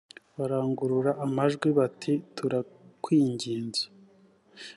barangurura amajwi i bati turakwinginze